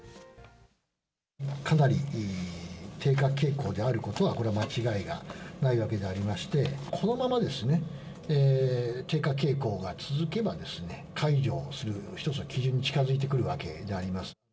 かなり低下傾向であることは、これは間違いがないわけでありまして、このままですね、低下傾向が続けば、解除する一つの基準に近づいてくるわけであります。